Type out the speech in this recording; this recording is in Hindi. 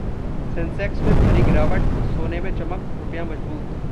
सेंसेक्स में भारी गिरावट, सोने में चमक, रुपया मजबूत